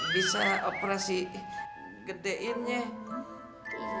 bisa operasi gedeinnya